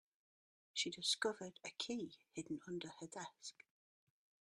She discovered a key hidden under her desk.